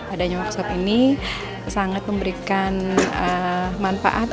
adanya workshop ini sangat memberikan manfaat